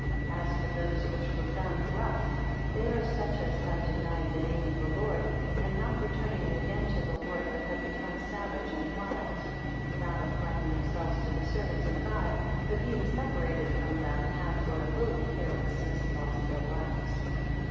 221 As for those which were found rough, they are such as have denied the name of the Lord, and not returned again to the Lord, but have become savage and wild; not applying themselves to the servants of God; but being separated from them, have for a little carelessness lost their lives.